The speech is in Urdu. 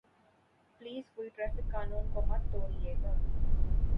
پلیز کوئی ٹریفک قانون کو مت توڑئے گا